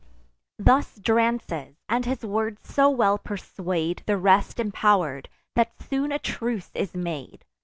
Thus Drances; and his words so well persuade The rest impower'd, that soon a truce is made.